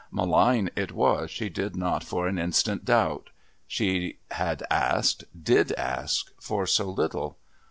Malign it was, she did not for an instant doubt. She had asked, did ask, for so little.